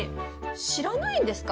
知らないんですか？